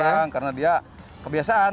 ambil barang karena dia kebiasaan